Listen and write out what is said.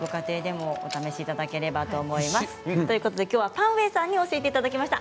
パン・ウェイさんに教えていただきました。